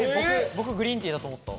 僕、グリーンティーだと思った。